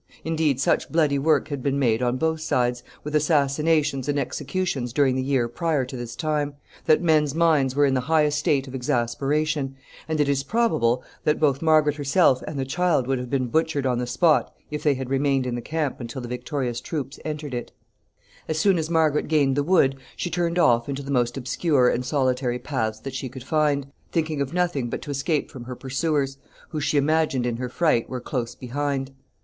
Indeed, such bloody work had been made on both sides, with assassinations and executions during the year prior to this time, that men's minds were in the highest state of exasperation; and it is probable that both Margaret herself and the child would have been butchered on the spot if they had remained in the camp until the victorious troops entered it. [Sidenote: Narrow escape.] [Sidenote: Her flight.] [Sidenote: The robbers.] As soon as Margaret gained the wood she turned off into the most obscure and solitary paths that she could find, thinking of nothing but to escape from her pursuers, who, she imagined in her fright, were close behind.